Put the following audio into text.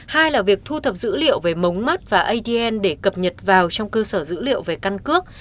hai là việc thu thập dữ liệu về mống mắt và adn để cập nhật vào trong cơ sở dữ liệu về căn cước